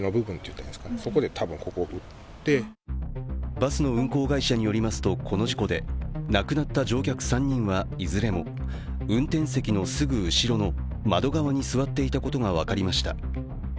バスの運行会社によりますとこの事故で亡くなった乗客３人はいずれも運転席のすぐ後ろの窓側に座っていたことが分かりました。